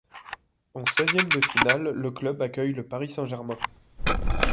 En seizièmes de finale, le club accueille le Paris Saint-Germain.